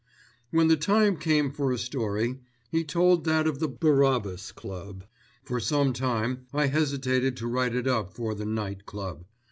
When the time came for a story, he told that of the Barabbas Club. For some time I hesitated to write it up for the Night Club.